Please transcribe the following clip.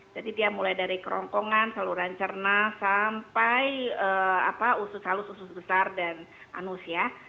jadi dia mulai dari kerongkongan saluran cerna sampai usus halus usus besar dan anus ya